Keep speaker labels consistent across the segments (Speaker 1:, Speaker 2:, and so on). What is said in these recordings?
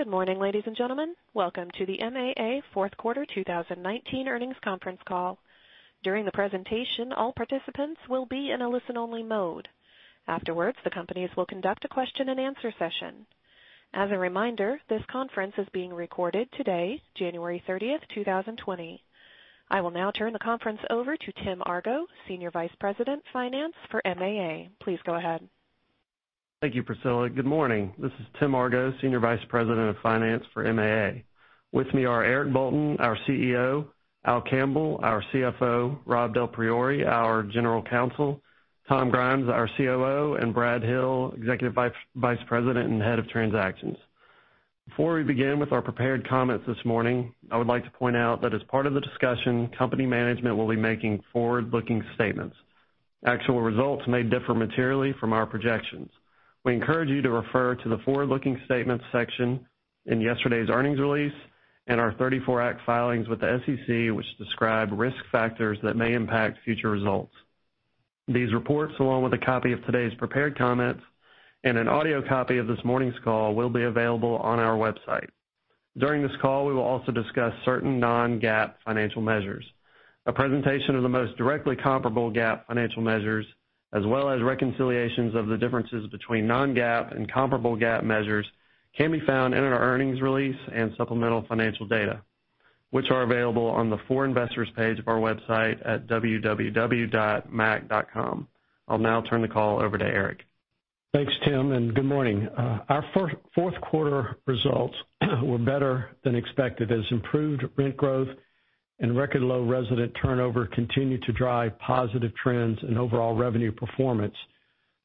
Speaker 1: Good morning, ladies and gentlemen. Welcome to the MAA fourth quarter 2019 earnings conference call. During the presentation, all participants will be in a listen-only mode. Afterwards, the companies will conduct a question and answer session. As a reminder, this conference is being recorded today, January 30th, 2020. I will now turn the conference over to Tim Argo, Senior Vice President, Finance for MAA. Please go ahead.
Speaker 2: Thank you, Priscilla. Good morning. This is Tim Argo, Senior Vice President of Finance for MAA. With me are Eric Bolton, our CEO, Al Campbell, our CFO, Rob DelPriore, our General Counsel, Tom Grimes, our COO, and Brad Hill, Executive Vice President and Head of Transactions. Before we begin with our prepared comments this morning, I would like to point out that as part of the discussion, company management will be making forward-looking statements. Actual results may differ materially from our projections. We encourage you to refer to the forward-looking statements section in yesterday's earnings release and our 34 Act filings with the SEC, which describe risk factors that may impact future results. These reports, along with a copy of today's prepared comments and an audio copy of this morning's call, will be available on our website. During this call, we will also discuss certain non-GAAP financial measures. A presentation of the most directly comparable GAAP financial measures, as well as reconciliations of the differences between non-GAAP and comparable GAAP measures, can be found in our earnings release and supplemental financial data, which are available on the For Investors page of our website at www.maac.com. I'll now turn the call over to Eric.
Speaker 3: Thanks, Tim. Good morning. Our fourth quarter results were better than expected as improved rent growth and record low resident turnover continued to drive positive trends in overall revenue performance.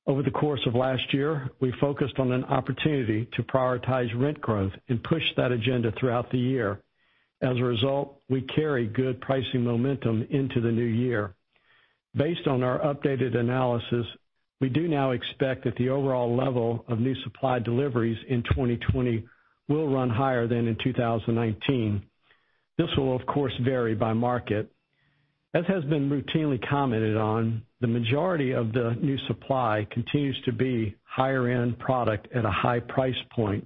Speaker 3: Over the course of last year, we focused on an opportunity to prioritize rent growth and pushed that agenda throughout the year. As a result, we carry good pricing momentum into the new year. Based on our updated analysis, we do now expect that the overall level of new supply deliveries in 2020 will run higher than in 2019. This will, of course, vary by market. As has been routinely commented on, the majority of the new supply continues to be higher-end product at a high price point.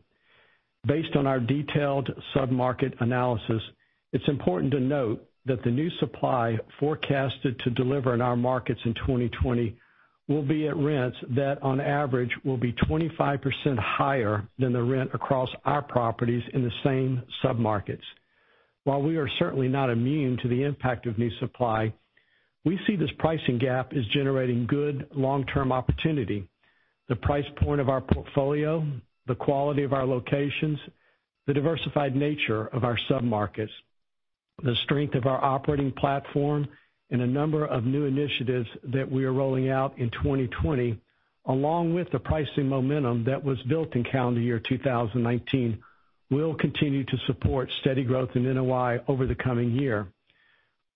Speaker 3: Based on our detailed sub-market analysis, it's important to note that the new supply forecasted to deliver in our markets in 2020 will be at rents that on average will be 25% higher than the rent across our properties in the same sub-markets. While we are certainly not immune to the impact of new supply, we see this pricing gap as generating good long-term opportunity. The price point of our portfolio, the quality of our locations, the diversified nature of our sub-markets, the strength of our operating platform, and a number of new initiatives that we are rolling out in 2020, along with the pricing momentum that was built in calendar year 2019, will continue to support steady growth in NOI over the coming year.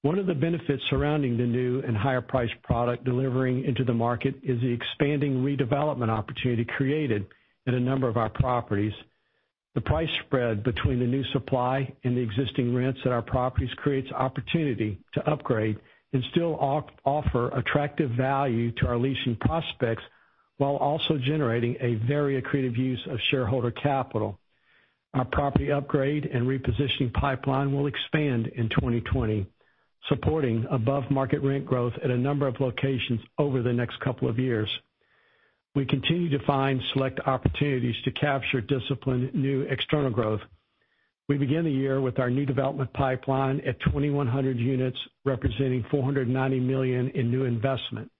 Speaker 3: One of the benefits surrounding the new and higher-priced product delivering into the market is the expanding redevelopment opportunity created in a number of our properties. The price spread between the new supply and the existing rents at our properties creates opportunity to upgrade and still offer attractive value to our leasing prospects while also generating a very accretive use of shareholder capital. Our property upgrade and repositioning pipeline will expand in 2020, supporting above-market rent growth at a number of locations over the next couple of years. We continue to find select opportunities to capture disciplined new external growth. We begin the year with our new development pipeline at 2,100 units, representing $490 million in new investment.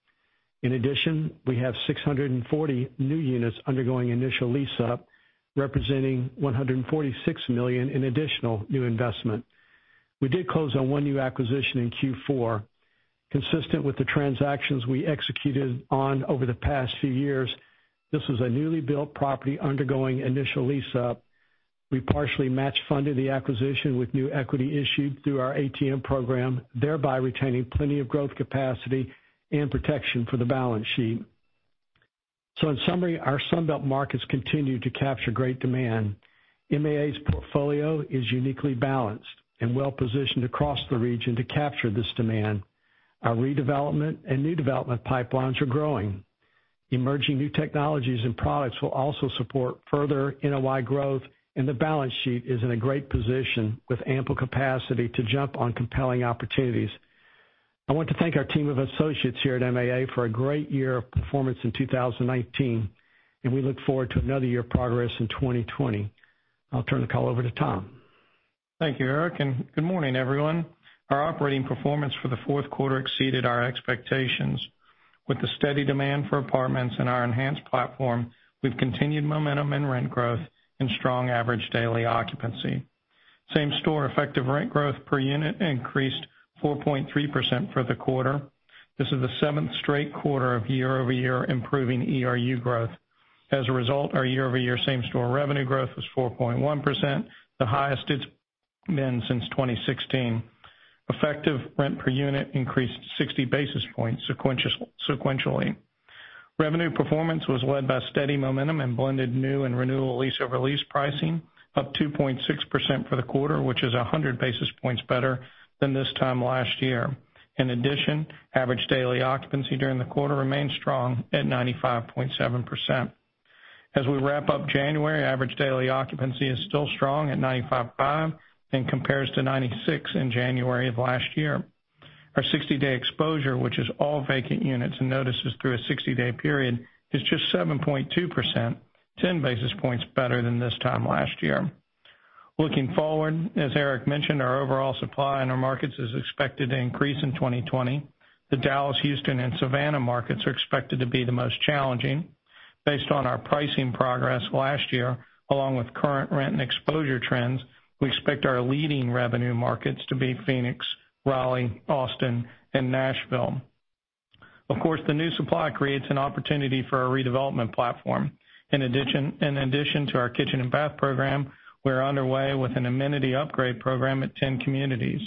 Speaker 3: In addition, we have 640 new units undergoing initial lease-up, representing $146 million in additional new investment. We did close on one new acquisition in Q4. Consistent with the transactions we executed on over the past few years, this was a newly built property undergoing initial lease-up. We partially match-funded the acquisition with new equity issued through our ATM program, thereby retaining plenty of growth capacity and protection for the balance sheet. In summary, our Sun Belt markets continue to capture great demand. MAA's portfolio is uniquely balanced and well-positioned across the region to capture this demand. Our redevelopment and new development pipelines are growing. Emerging new technologies and products will also support further NOI growth, and the balance sheet is in a great position with ample capacity to jump on compelling opportunities. I want to thank our team of associates here at MAA for a great year of performance in 2019, and we look forward to another year of progress in 2020. I'll turn the call over to Tom.
Speaker 4: Thank you, Eric, and good morning, everyone. Our operating performance for the fourth quarter exceeded our expectations. With the steady demand for apartments and our enhanced platform, we've continued momentum in rent growth and strong average daily occupancy. Same store effective rent growth per unit increased 4.3% for the quarter. This is the seventh straight quarter of year-over-year improving ERU growth. As a result, our year-over-year same store revenue growth was 4.1%, the highest it's been since 2016. Effective rent per unit increased 60 basis points sequentially. Revenue performance was led by steady momentum in blended new and renewal lease-over-lease pricing, up 2.6% for the quarter, which is 100 basis points better than this time last year. In addition, average daily occupancy during the quarter remained strong at 95.7%. As we wrap up January, average daily occupancy is still strong at 95.5 and compares to 96 in January of last year. Our 60-day exposure, which is all vacant units and notices through a 60-day period, is just 7.2%, 10 basis points better than this time last year. Looking forward, as Eric mentioned, our overall supply in our markets is expected to increase in 2020. The Dallas, Houston, and Savannah markets are expected to be the most challenging. Based on our pricing progress last year, along with current rent and exposure trends, we expect our leading revenue markets to be Phoenix, Raleigh, Austin, and Nashville. Of course, the new supply creates an opportunity for our redevelopment platform. In addition to our kitchen and bath program, we're underway with an amenity upgrade program at 10 communities.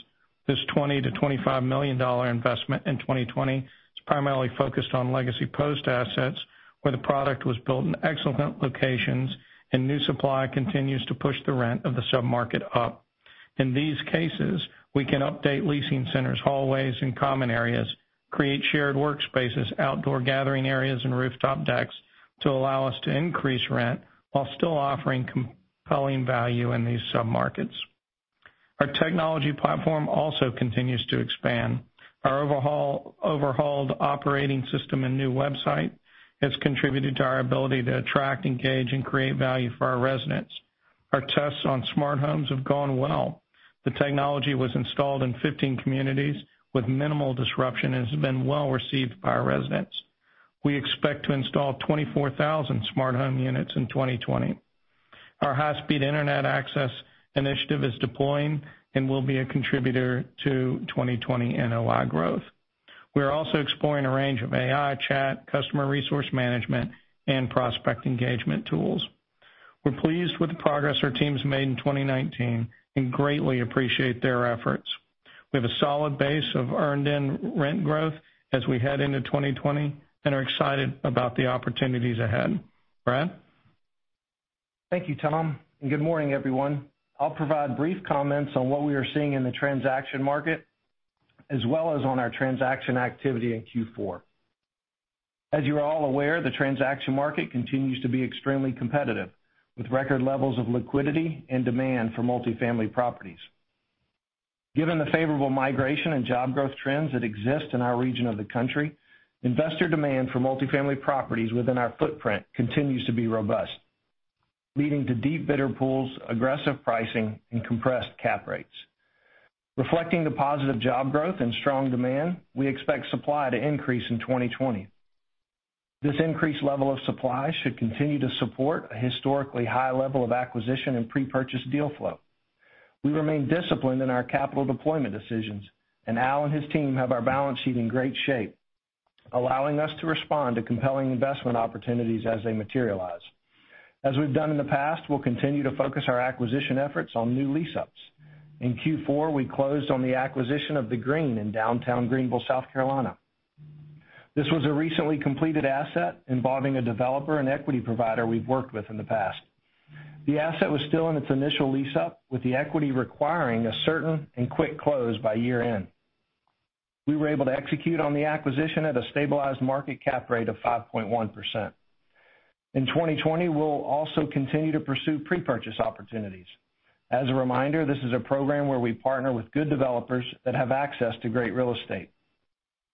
Speaker 4: This $20 million to $25 million investment in 2020 is primarily focused on legacy Post assets, where the product was built in excellent locations and new supply continues to push the rent of the sub-market up. In these cases, we can update leasing centers, hallways, and common areas, create shared workspaces, outdoor gathering areas, and rooftop decks to allow us to increase rent while still offering compelling value in these sub-markets. Our technology platform also continues to expand. Our overhauled operating system and new website has contributed to our ability to attract, engage, and create value for our residents. Our tests on smart homes have gone well. The technology was installed in 15 communities with minimal disruption and has been well received by our residents. We expect to install 24,000 smart home units in 2020. Our high-speed internet access initiative is deploying and will be a contributor to 2020 NOI growth. We are also exploring a range of AI chat, customer resource management, and prospect engagement tools. We're pleased with the progress our team's made in 2019 and greatly appreciate their efforts. We have a solid base of earned rent growth as we head into 2020 and are excited about the opportunities ahead. Brad?
Speaker 5: Thank you, Tom. Good morning, everyone. I'll provide brief comments on what we are seeing in the transaction market, as well as on our transaction activity in Q4. As you are all aware, the transaction market continues to be extremely competitive, with record levels of liquidity and demand for multifamily properties. Given the favorable migration and job growth trends that exist in our region of the country, investor demand for multifamily properties within our footprint continues to be robust, leading to deep bidder pools, aggressive pricing, and compressed cap rates. Reflecting the positive job growth and strong demand, we expect supply to increase in 2020. This increased level of supply should continue to support a historically high level of acquisition and pre-purchase deal flow. We remain disciplined in our capital deployment decisions. Al and his team have our balance sheet in great shape, allowing us to respond to compelling investment opportunities as they materialize. As we've done in the past, we'll continue to focus our acquisition efforts on new lease-ups. In Q4, we closed on the acquisition of MAA Greene in downtown Greenville, South Carolina. This was a recently completed asset involving a developer and equity provider we've worked with in the past. The asset was still in its initial lease-up, with the equity requiring a certain and quick close by year-end. We were able to execute on the acquisition at a stabilized market cap rate of 5.1%. In 2020, we'll also continue to pursue pre-purchase opportunities. As a reminder, this is a program where we partner with good developers that have access to great real estate.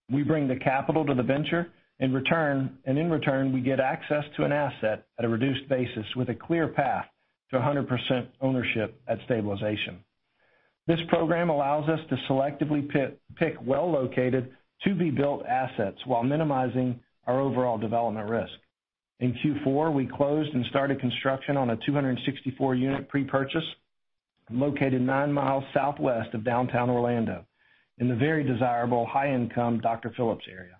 Speaker 5: We bring the capital to the venture, and in return, we get access to an asset at a reduced basis with a clear path to 100% ownership at stabilization. This program allows us to selectively pick well-located, to-be-built assets while minimizing our overall development risk. In Q4, we closed and started construction on a 264-unit pre-purchase located nine miles southwest of downtown Orlando in the very desirable high-income Dr. Phillips area.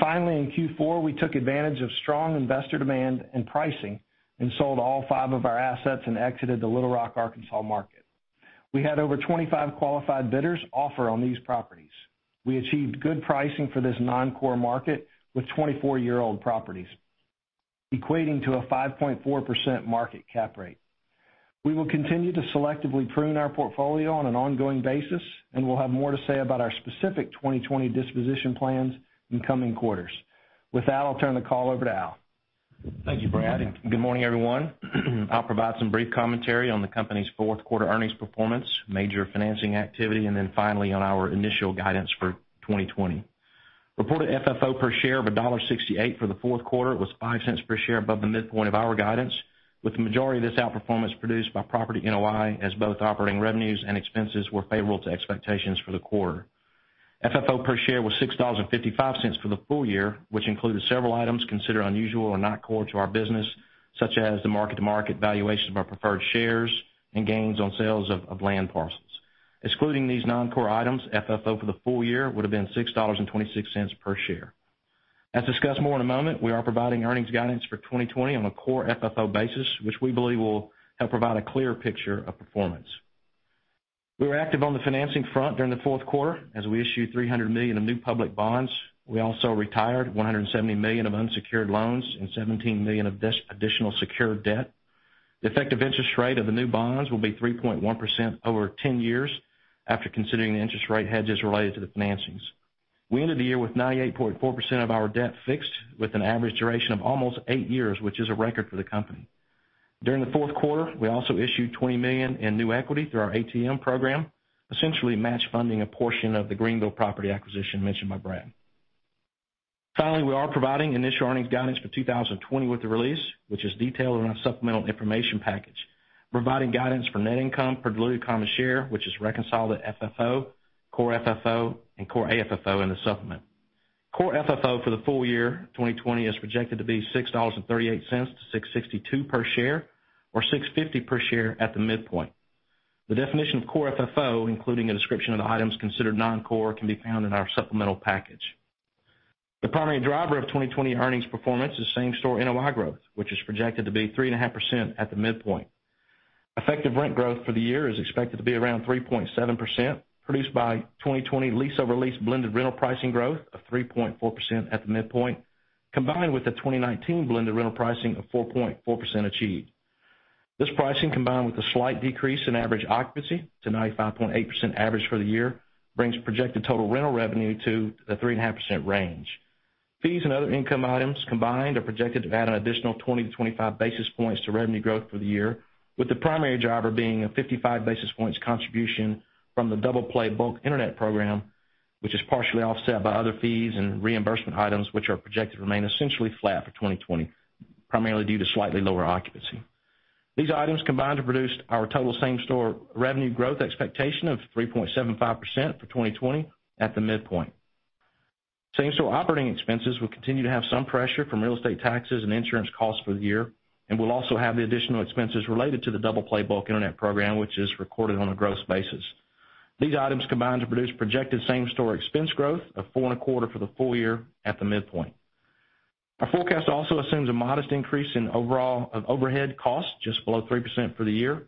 Speaker 5: Finally, in Q4, we took advantage of strong investor demand and pricing and sold all five of our assets and exited the Little Rock, Arkansas market. We had over 25 qualified bidders offer on these properties. We achieved good pricing for this non-core market with 24-year-old properties, equating to a 5.4% market cap rate. We will continue to selectively prune our portfolio on an ongoing basis, and we'll have more to say about our specific 2020 disposition plans in coming quarters. With that, I'll turn the call over to Al.
Speaker 6: Thank you, Brad. Good morning, everyone. I'll provide some brief commentary on the company's fourth quarter earnings performance, major financing activity, and then finally on our initial guidance for 2020. Reported FFO per share of $1.68 for the fourth quarter was $0.05 per share above the midpoint of our guidance, with the majority of this outperformance produced by property NOI, as both operating revenues and expenses were favorable to expectations for the quarter. FFO per share was $6.55 for the full year, which included several items considered unusual or not core to our business, such as the market-to-market valuation of our preferred shares and gains on sales of land parcels. Excluding these non-core items, FFO for the full year would've been $6.26 per share. As discussed more in a moment, we are providing earnings guidance for 2020 on a core FFO basis, which we believe will help provide a clear picture of performance. We were active on the financing front during the fourth quarter as we issued $300 million of new public bonds. We also retired $170 million of unsecured loans and $17 million of this additional secured debt. The effective interest rate of the new bonds will be 3.1% over 10 years after considering the interest rate hedges related to the financings. We ended the year with 98.4% of our debt fixed with an average duration of almost eight years, which is a record for the company. During the fourth quarter, we also issued $20 million in new equity through our ATM program, essentially match funding a portion of the Greenville property acquisition mentioned by Brad. Finally, we are providing initial earnings guidance for 2020 with the release, which is detailed in our supplemental information package, providing guidance for net income per diluted common share, which is reconciled at FFO, core FFO, and core AFFO in the supplement. Core FFO for the full year 2020 is projected to be $6.38-$6.62 per share, or $6.50 per share at the midpoint. The definition of core FFO, including a description of the items considered non-core, can be found in our supplemental package. The primary driver of 2020 earnings performance is same-store NOI growth, which is projected to be 3.5% at the midpoint. Effective rent growth for the year is expected to be around 3.7%, produced by 2020 lease-over-lease blended rental pricing growth of 3.4% at the midpoint, combined with the 2019 blended rental pricing of 4.4% achieved. This pricing, combined with a slight decrease in average occupancy to 95.8% average for the year, brings projected total rental revenue to the 3.5% range. Fees and other income items combined are projected to add an additional 20-25 basis points to revenue growth for the year, with the primary driver being a 55 basis points contribution from the DoublePlay Bulk Internet program, which is partially offset by other fees and reimbursement items, which are projected to remain essentially flat for 2020, primarily due to slightly lower occupancy. These items combine to produce our total same-store revenue growth expectation of 3.75% for 2020 at the midpoint. Same-store operating expenses will continue to have some pressure from real estate taxes and insurance costs for the year and will also have the additional expenses related to the DoublePlay Bulk Internet program, which is recorded on a gross basis. These items combine to produce projected same-store expense growth of 4.25% for the full year at the midpoint. Our forecast also assumes a modest increase in overall overhead costs just below 3% for the year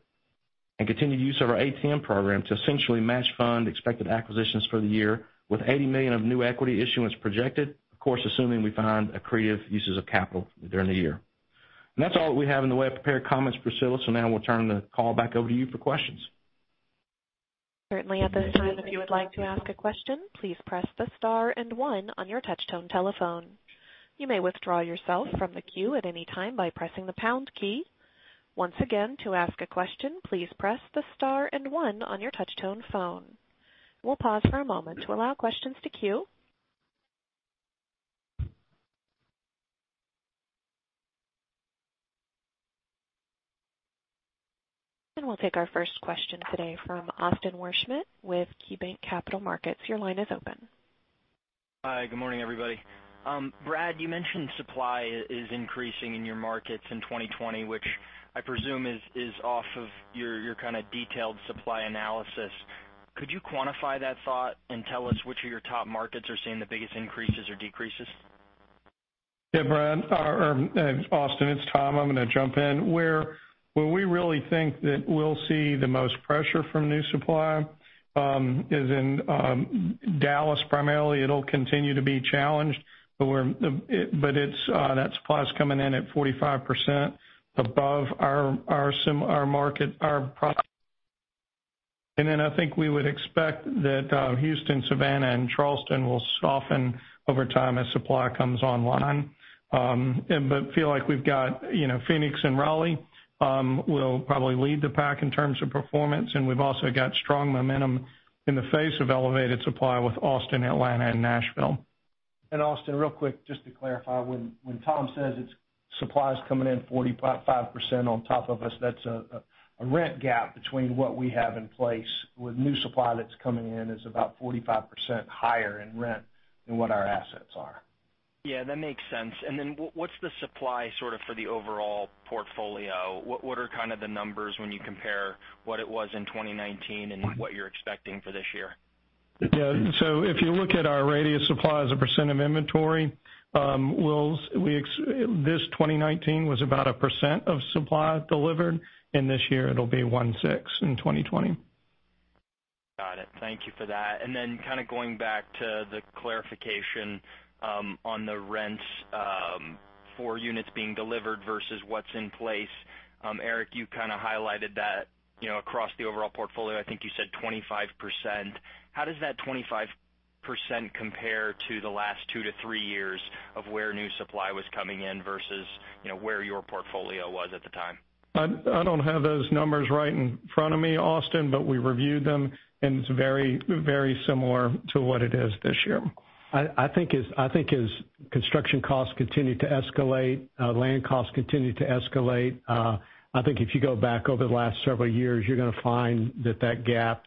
Speaker 6: and continued use of our ATM program to essentially match fund expected acquisitions for the year, with $80 million of new equity issuance projected, of course, assuming we find accretive uses of capital during the year. That's all we have in the way of prepared comments, Priscilla, now we'll turn the call back over to you for questions.
Speaker 1: Certainly. At this time, if you would like to ask a question, please press the star and one on your touchtone telephone. You may withdraw yourself from the queue at any time by pressing the pound key. Once again, to ask a question, please press the star and one on your touchtone phone. We'll pause for a moment to allow questions to queue. We'll take our first question today from Austin Wurschmidt with KeyBanc Capital Markets. Your line is open.
Speaker 7: Hi. Good morning, everybody. Brad, you mentioned supply is increasing in your markets in 2020, which I presume is off of your kind of detailed supply analysis. Could you quantify that thought and tell us which of your top markets are seeing the biggest increases or decreases?
Speaker 4: Yeah, Austin, it's Tom. I'm going to jump in. Where we really think that we'll see the most pressure from new supply is in Dallas, primarily. It'll continue to be challenged. That supply's coming in at 45% above our market. I think we would expect that Houston, Savannah, and Charleston will soften over time as supply comes online. Feel like we've got Phoenix and Raleigh will probably lead the pack in terms of performance, and we've also got strong momentum in the face of elevated supply with Austin, Atlanta, and Nashville.
Speaker 5: Austin, real quick, just to clarify. When Tom says supply's coming in 45% on top of us, that's a rent gap between what we have in place with new supply that's coming in is about 45% higher in rent than what our assets are.
Speaker 7: Yeah, that makes sense. What's the supply sort of for the overall portfolio? What are kind of the numbers when you compare what it was in 2019 and what you're expecting for this year?
Speaker 4: Yeah. If you look at our radius supply as a percent of inventory, this 2019 was about 1% of supply delivered, and this year it'll be 1.6% in 2020.
Speaker 7: Got it. Thank you for that. Going back to the clarification on the rents for units being delivered versus what's in place. Eric, you kind of highlighted that across the overall portfolio, I think you said 25%. How does that 25% compare to the last two to three years of where new supply was coming in versus where your portfolio was at the time?
Speaker 3: I don't have those numbers right in front of me, Austin, but we reviewed them, and it's very similar to what it is this year.
Speaker 6: I think as construction costs continue to escalate, land costs continue to escalate, I think if you go back over the last several years, you're going to find that that gap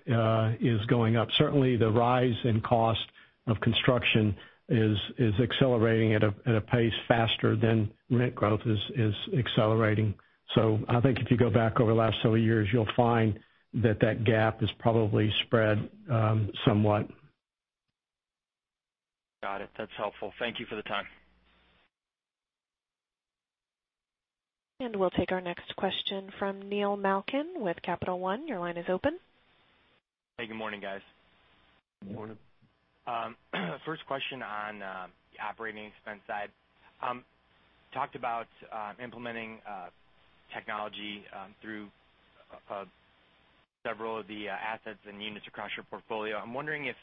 Speaker 6: is going up. Certainly, the rise in cost of construction is accelerating at a pace faster than rent growth is accelerating. I think if you go back over the last several years, you'll find that that gap has probably spread somewhat.
Speaker 7: Got it. That's helpful. Thank you for the time.
Speaker 1: We'll take our next question from Neil Malkin with Capital One. Your line is open.
Speaker 8: Hey, good morning, guys.
Speaker 4: Good morning.
Speaker 8: First question on the operating expense side. Talked about implementing technology through several of the assets and units across your portfolio. I'm wondering if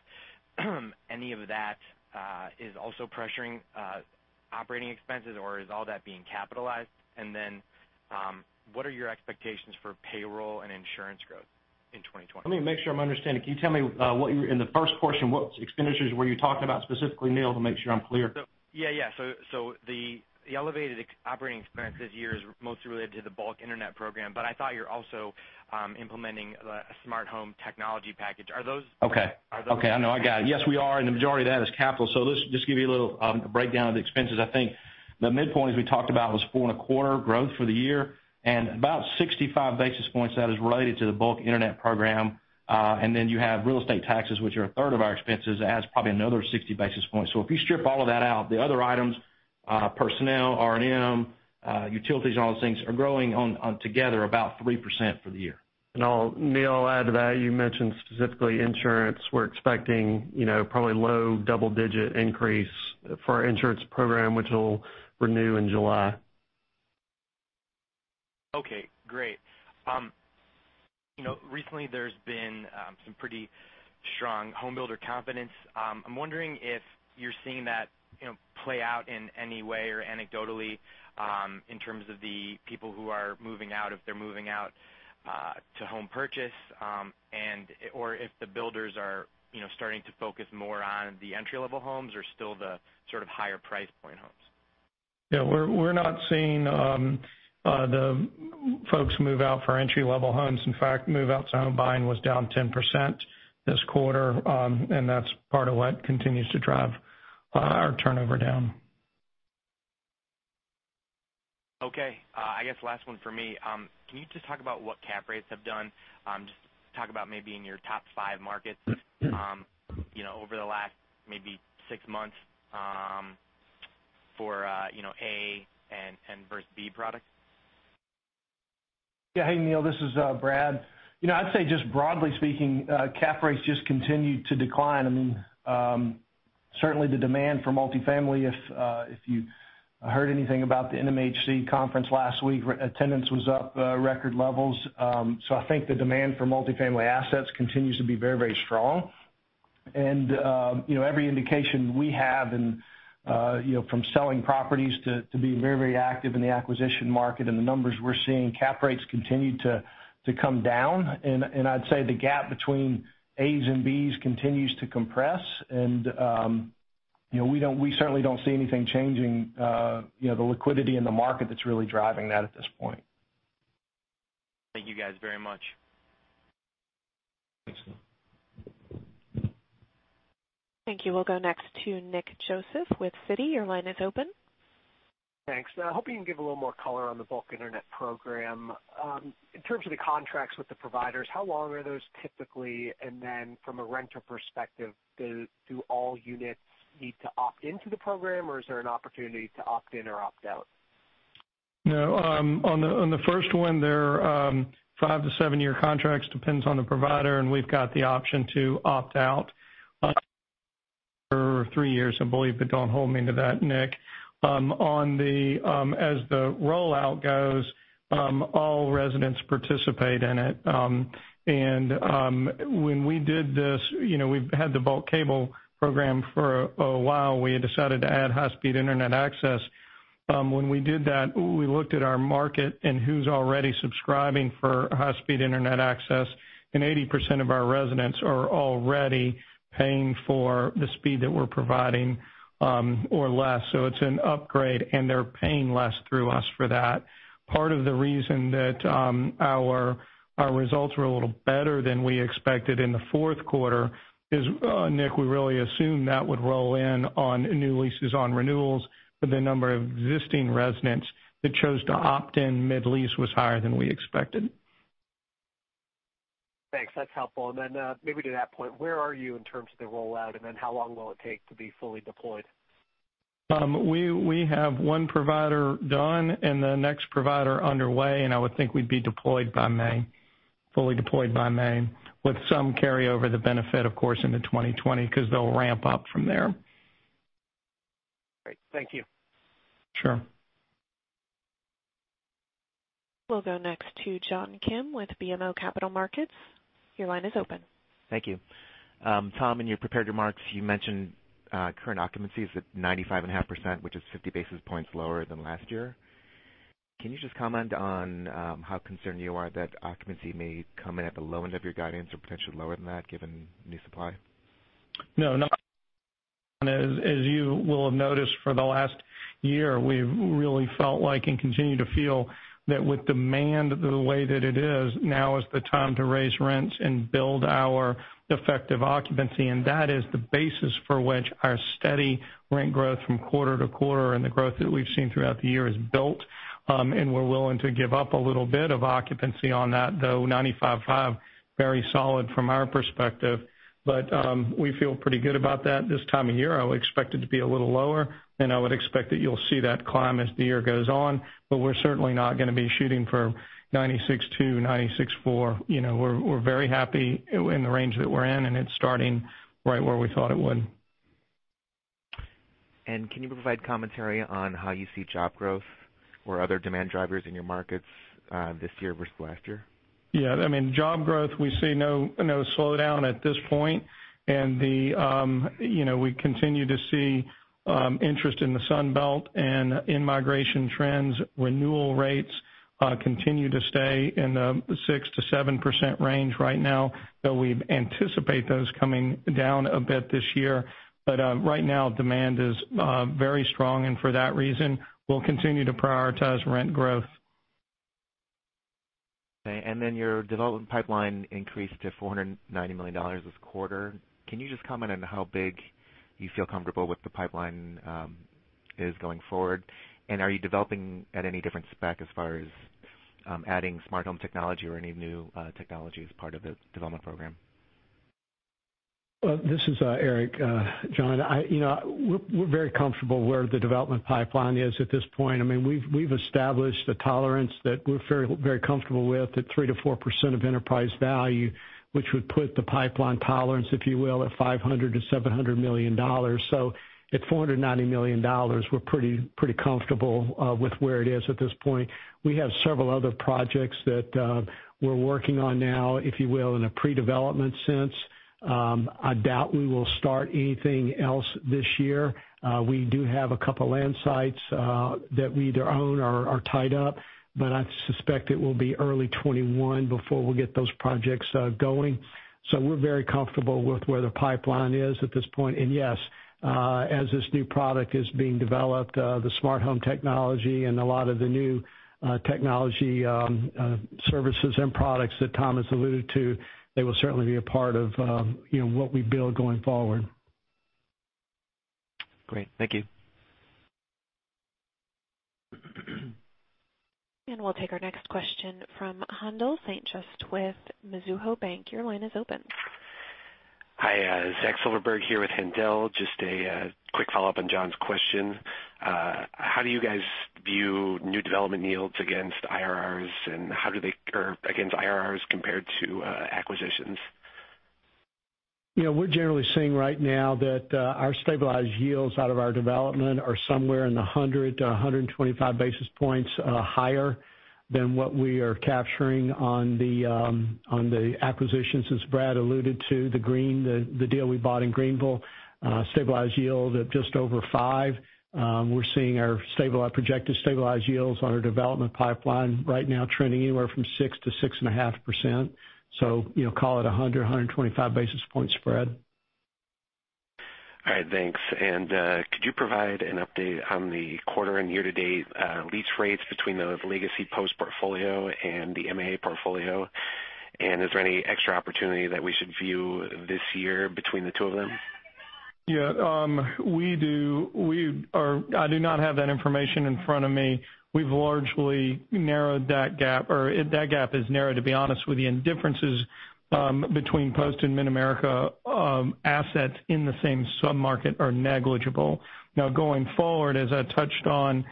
Speaker 8: any of that is also pressuring operating expenses or is all that being capitalized? What are your expectations for payroll and insurance growth in 2020?
Speaker 4: Let me make sure I'm understanding. Can you tell me, in the first portion, what expenditures were you talking about specifically, Neil, to make sure I'm clear?
Speaker 8: Yeah. The elevated operating expense this year is mostly related to the bulk internet program, but I thought you're also implementing a smart home technology package. Are those?
Speaker 4: Okay. I know. I got it. Yes, we are, and the majority of that is capital. Just give you a little breakdown of the expenses. I think the midpoint, as we talked about, was 4.25% growth for the year and about 65 basis points that is related to the bulk internet program. You have real estate taxes, which are a third of our expenses, adds probably another 60 basis points. If you strip all of that out, the other items, personnel, R&M, utilities, and all those things are growing on together about 3% for the year.
Speaker 2: Neil, I'll add to that. You mentioned specifically insurance. We're expecting probably low double-digit increase for our insurance program, which will renew in July.
Speaker 8: Okay, great. Recently there's been some pretty strong home builder confidence. I'm wondering if you're seeing that play out in any way or anecdotally, in terms of the people who are moving out, if they're moving out to home purchase, or if the builders are starting to focus more on the entry-level homes or still the sort of higher price point homes.
Speaker 4: Yeah. We're not seeing the folks move out for entry-level homes. In fact, move-outs home buying was down 10% this quarter. That's part of what continues to drive our turnover down.
Speaker 8: Okay. I guess last one for me. Can you just talk about what cap rates have done? Just talk about maybe in your top five markets over the last maybe six months for A versus B products.
Speaker 5: Yeah. Hey, Neil. This is Brad. I'd say just broadly speaking, cap rates just continue to decline. Certainly, the demand for multifamily, if you heard anything about the NMHC conference last week, attendance was up record levels. I think the demand for multifamily assets continues to be very strong. Every indication we have in from selling properties to being very active in the acquisition market and the numbers we're seeing, cap rates continue to come down. I'd say the gap between As and Bs continues to compress. We certainly don't see anything changing the liquidity in the market that's really driving that at this point.
Speaker 8: Thank you guys very much.
Speaker 1: Thank you. We'll go next to Nick Joseph with Citi. Your line is open.
Speaker 9: Thanks. I hope you can give a little more color on the bulk internet program. In terms of the contracts with the providers, how long are those typically? From a renter perspective, do all units need to opt into the program, or is there an opportunity to opt in or opt out?
Speaker 4: No, on the first one, they're five to seven-year contracts, depends on the provider, and we've got the option to opt out for three years, I believe, but don't hold me to that, Nick. As the rollout goes, all residents participate in it. When we did this, we've had the bulk cable program for a while. We had decided to add high-speed internet access. When we did that, we looked at our market and who's already subscribing for high-speed internet access, and 80% of our residents are already paying for the speed that we're providing or less. It's an upgrade, and they're paying less through us for that. Part of the reason that our results were a little better than we expected in the fourth quarter is, Nick, we really assumed that would roll in on new leases on renewals, but the number of existing residents that chose to opt in mid-lease was higher than we expected.
Speaker 9: Thanks. That's helpful. Maybe to that point, where are you in terms of the rollout, and then how long will it take to be fully deployed?
Speaker 4: We have one provider done and the next provider underway. I would think we'd be deployed by May, fully deployed by May, with some carryover the benefit, of course, into 2020 because they'll ramp up from there.
Speaker 9: Great. Thank you.
Speaker 4: Sure.
Speaker 1: We'll go next to John Kim with BMO Capital Markets. Your line is open.
Speaker 10: Thank you. Tom, in your prepared remarks, you mentioned current occupancy is at 95.5%, which is 50 basis points lower than last year. Can you just comment on how concerned you are that occupancy may come in at the low end of your guidance or potentially lower than that, given new supply?
Speaker 4: No. As you will have noticed for the last year, we've really felt like and continue to feel that with demand the way that it is, now is the time to raise rents and build our effective occupancy. That is the basis for which our steady rent growth from quarter to quarter and the growth that we've seen throughout the year is built, and we're willing to give up a little bit of occupancy on that, though 95.5%, very solid from our perspective. We feel pretty good about that this time of year. I would expect it to be a little lower, and I would expect that you'll see that climb as the year goes on, but we're certainly not going to be shooting for 96.2%, 96.4%. We're very happy in the range that we're in, and it's starting right where we thought it would.
Speaker 10: Can you provide commentary on how you see job growth or other demand drivers in your markets this year versus last year?
Speaker 4: Yeah. Job growth, we see no slowdown at this point. We continue to see interest in the Sun Belt and in-migration trends. Renewal rates continue to stay in the 6%-7% range right now, though we anticipate those coming down a bit this year. Right now, demand is very strong, and for that reason, we'll continue to prioritize rent growth.
Speaker 10: Okay. Then your development pipeline increased to $490 million this quarter. Can you just comment on how big you feel comfortable with the pipeline is going forward? Are you developing at any different spec as far as adding smart home technology or any new technology as part of the development program?
Speaker 3: This is Eric. John, we're very comfortable where the development pipeline is at this point. We've established a tolerance that we're very comfortable with at 3%-4% of enterprise value, which would put the pipeline tolerance, if you will, at $500 million-$700 million. At $490 million, we're pretty comfortable with where it is at this point. We have several other projects that we're working on now, if you will, in a pre-development sense. I doubt we will start anything else this year. We do have a couple land sites that we either own or are tied up, but I suspect it will be early 2021 before we'll get those projects going. We're very comfortable with where the pipeline is at this point. Yes, as this new product is being developed, the smart home technology and a lot of the new technology services and products that Tom has alluded to, they will certainly be a part of what we build going forward.
Speaker 10: Great. Thank you.
Speaker 1: We'll take our next question from Haendel St. Juste with Mizuho Bank. Your line is open.
Speaker 11: Hi, Zachary Silverberg here with Haendel. Just a quick follow-up on John's question. How do you guys view new development yields against IRRs, and how do they compare against IRRs compared to acquisitions?
Speaker 3: We're generally seeing right now that our stabilized yields out of our development are somewhere in the 100 to 125 basis points higher than what we are capturing on the acquisitions. As Brad alluded to, the deal we bought in Greenville, stabilized yield at just over five. We're seeing our projected stabilized yields on our development pipeline right now trending anywhere from 6%-6.5%. Call it a 100, 125 basis point spread.
Speaker 11: All right. Thanks. Could you provide an update on the quarter and year-to-date lease rates between the legacy Post portfolio and the MAA portfolio? Is there any extra opportunity that we should view this year between the two of them?
Speaker 4: Yeah. I do not have that information in front of me. We've largely narrowed that gap, or that gap is narrowed, to be honest with you, and differences between Post Properties and Mid-America Apartment Communities assets in the same sub-market are negligible. Now, going forward, as I touched on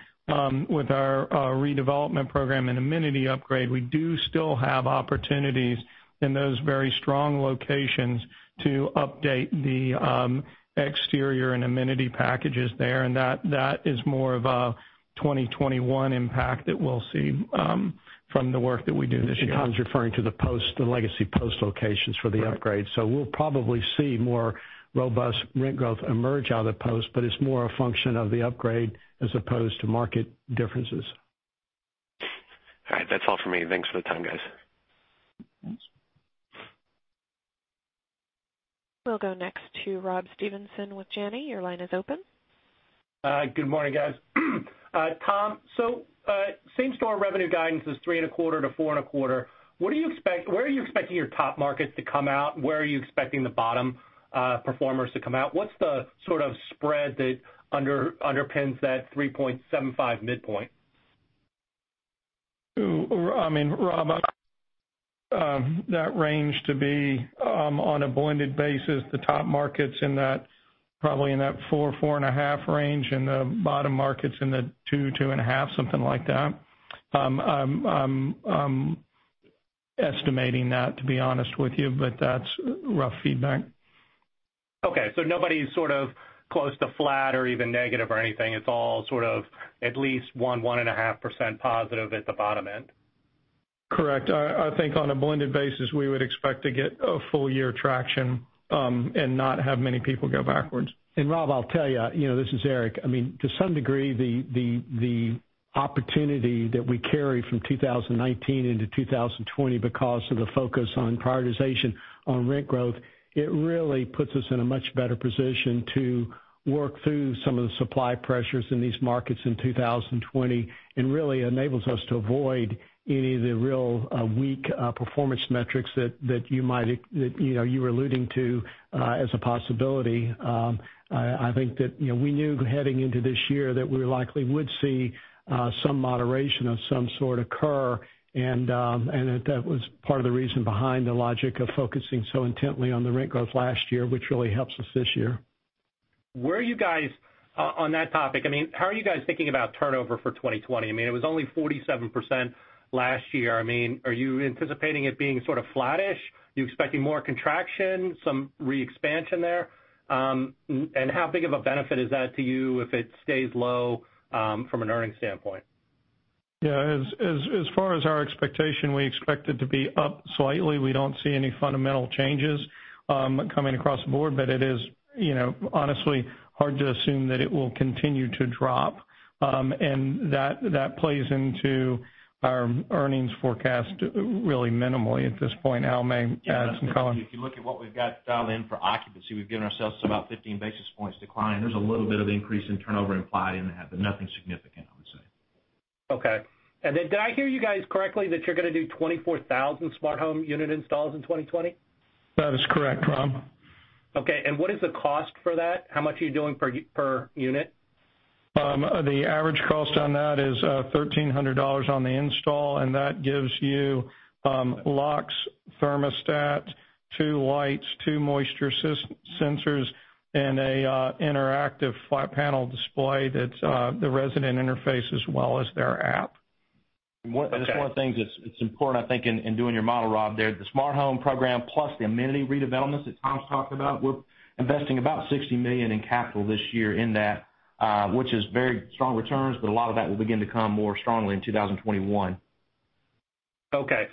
Speaker 4: with our redevelopment program and amenity upgrade, we do still have opportunities in those very strong locations to update the exterior and amenity packages there, and that is more of a 2021 impact that we'll see from the work that we do this year.
Speaker 3: Tom's referring to the legacy Post locations for the upgrade. We'll probably see more robust rent growth emerge out of Post, but it's more a function of the upgrade as opposed to market differences.
Speaker 11: All right. That's all for me. Thanks for the time, guys.
Speaker 1: We'll go next to Rob Stevenson with Janney. Your line is open.
Speaker 12: Good morning, guys. Tom, same-store revenue guidance is three and a quarter to four and a quarter. Where are you expecting your top markets to come out? Where are you expecting the bottom performers to come out? What's the sort of spread that underpins that 3.75 midpoint?
Speaker 4: Rob, that range to be on a blended basis, the top market's probably in that four and a half range, and the bottom market's in the two and a half, something like that. I'm estimating that, to be honest with you, but that's rough feedback.
Speaker 12: Nobody's sort of close to flat or even negative or anything. It's all sort of at least 1%, 1.5% positive at the bottom end.
Speaker 4: Correct. I think on a blended basis, we would expect to get a full-year traction and not have many people go backwards.
Speaker 3: Rob, I'll tell you. This is Eric. To some degree, the opportunity that we carry from 2019 into 2020 because of the focus on prioritization on rent growth, it really puts us in a much better position to work through some of the supply pressures in these markets in 2020 and really enables us to avoid any of the real weak performance metrics that you were alluding to as a possibility. I think that we knew heading into this year that we likely would see some moderation of some sort occur, and that was part of the reason behind the logic of focusing so intently on the rent growth last year, which really helps us this year.
Speaker 12: On that topic, how are you guys thinking about turnover for 2020? It was only 47% last year. Are you anticipating it being sort of flattish? Are you expecting more contraction, some re-expansion there? How big of a benefit is that to you if it stays low from an earnings standpoint?
Speaker 4: Yeah. As far as our expectation, we expect it to be up slightly. We don't see any fundamental changes coming across the board. It is honestly hard to assume that it will continue to drop, and that plays into our earnings forecast really minimally at this point. Al may add some color.
Speaker 6: If you look at what we've got dialed in for occupancy, we've given ourselves about 15 basis points decline. There's a little bit of increase in turnover implied in that, but nothing significant, I would say.
Speaker 12: Okay. Did I hear you guys correctly, that you're going to do 24,000 smart home unit installs in 2020?
Speaker 4: That is correct, Rob.
Speaker 12: Okay. What is the cost for that? How much are you doing per unit?
Speaker 4: The average cost on that is $1,300 on the install, and that gives you locks, thermostat, two lights, two moisture sensors, and an interactive flat panel display that's the resident interface as well as their app.
Speaker 12: Okay.
Speaker 6: Just one of the things that's important, I think, in doing your model, Rob, there. The smart home program plus the amenity redevelopments that Tom's talking about, we're investing about $60 million in capital this year in that, which is very strong returns, but a lot of that will begin to come more strongly in 2021.
Speaker 12: Okay.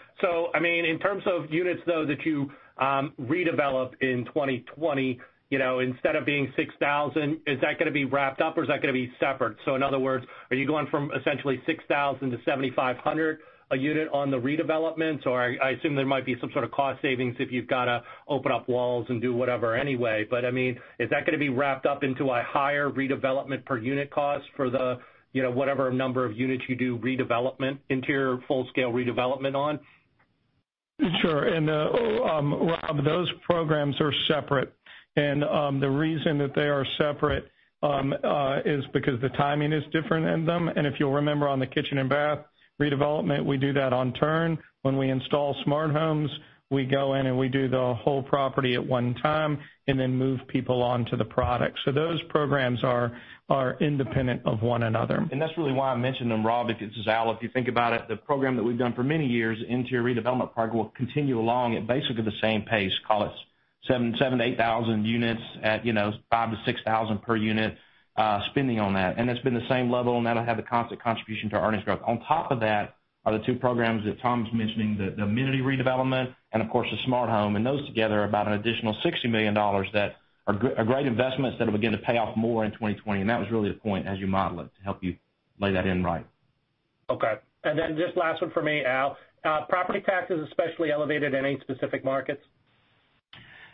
Speaker 12: In terms of units, though, that you redevelop in 2020, instead of being 6,000, is that going to be wrapped up or is that going to be separate? In other words, are you going from essentially 6,000 to 7,500 a unit on the redevelopments? I assume there might be some sort of cost savings if you've got to open up walls and do whatever anyway. Is that going to be wrapped up into a higher redevelopment per unit cost for the whatever number of units you do interior full-scale redevelopment on?
Speaker 4: Sure. Rob, those programs are separate, and the reason that they are separate is because the timing is different in them. If you'll remember on the kitchen and bath redevelopment, we do that on turn. When we install smart homes, we go in and we do the whole property at one time and then move people onto the product. Those programs are independent of one another.
Speaker 6: That's really why I mentioned them, Rob. This is Al. If you think about it, the program that we've done for many years, interior redevelopment part, will continue along at basically the same pace, call it 7,000-8,000 units at 5,000-6,000 per unit spending on that. It's been the same level, and that'll have the constant contribution to earnings growth. On top of that are the two programs that Tom's mentioning, the amenity redevelopment and of course the smart home. Those together are about an additional $60 million that are great investments that'll begin to pay off more in 2020. That was really the point as you model it, to help you lay that in right.
Speaker 12: Okay. Then just last one for me, Al. Are property taxes especially elevated in any specific markets?